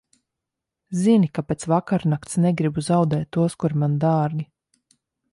Zini, ka pēc vakarnakts negribu zaudēt tos, kuri man dārgi.